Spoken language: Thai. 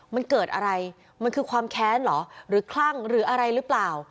มันเกิดอะไรมันคือความแค้นเหรอหรือคลั่งหรืออะไรหรือเปล่า